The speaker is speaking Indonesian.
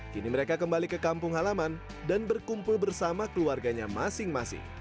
kini mereka kembali ke kampung halaman dan berkumpul bersama keluarganya masing masing